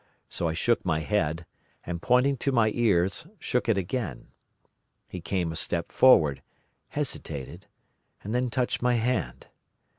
So I shook my head, and, pointing to my ears, shook it again. He came a step forward, hesitated, and then touched my hand.